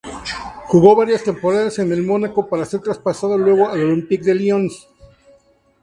Jugó varias temporadas en el Mónaco para ser traspasado luego al Olympique Lyonnais.